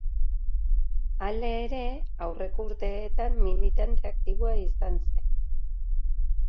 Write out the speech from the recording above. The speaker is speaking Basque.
Hala ere, aurreko urteetan militante aktiboa izan zen.